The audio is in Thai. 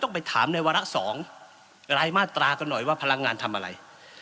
ไปถามในวาระ๒รายมาตรากันหน่อยว่าพลังงานทำอะไร